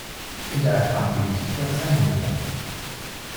In der Agrarpolitik wäre es ein Novum.